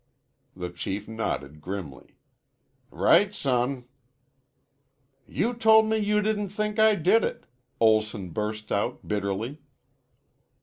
The Chief nodded grimly. "Right, son." "You told me you didn't think I did it," Olson burst out bitterly.